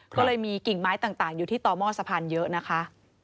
ก็เลยมีกิ่งไม้ต่างอยู่ที่ต่อหม้อสะพานเยอะนะคะ